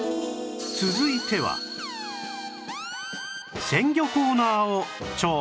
続いては鮮魚コーナーを調査